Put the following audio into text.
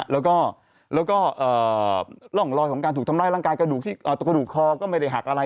แล้วก็ร่องรอยของการถูกทำร้ายร่างกายกระดูกคอก็ไม่ได้หักอะไร